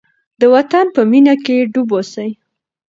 د وطن په مینه کې ډوب اوسئ.